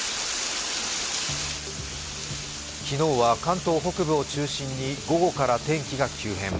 昨日は関東北部を中心に、午後から天気が急変。